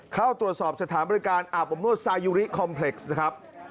เข้าตรวจสอบสถานบริการอาบอบนวดซายุริคอมเพล็กซ์นะครับ